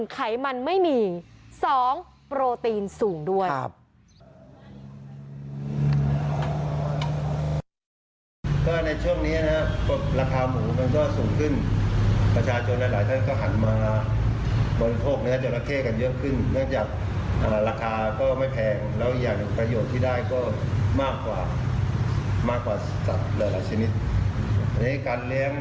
ไขมันไม่มี๒โปรตีนสูงด้วย